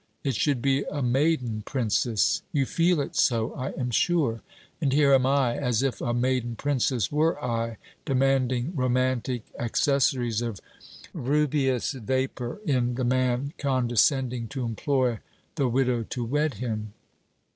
It should be a maiden princess. You feel it so, I am sure. And here am I, as if a maiden princess were I, demanding romantic accessories of rubious vapour in the man condescending to implore the widow to wed him.